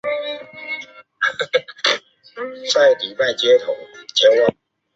两种情况之间则会产生中间强度的条纹。